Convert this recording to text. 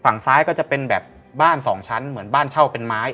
ฝั่งซ้ายก็จะเป็นแบบบ้านสองชั้นเหมือนบ้านเช่าเป็นไม้